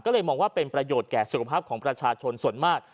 ก็เลยมองว่าเป็นประโยชน์แก่สุขภาพของประชาชนส่วนมาก